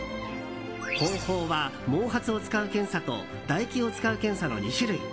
方法は、毛髪を使う検査と唾液を使う検査の２種類。